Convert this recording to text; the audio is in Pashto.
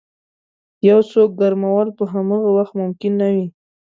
یو څوک ګرمول په همغه وخت ممکن نه وي.